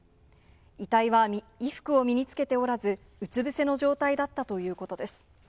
遺体は衣服を身に着けておらず、うつ伏せの状態だったということです。